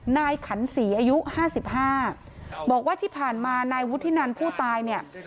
ขันศรีอายุห้าสิบห้าบอกว่าที่ผ่านมานายวุฒินันผู้ตายเนี่ย